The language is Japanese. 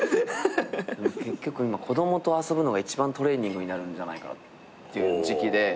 結局今子供と遊ぶのが一番トレーニングになるんじゃないかなっていう時期で。